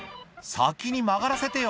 「先に曲がらせてよ」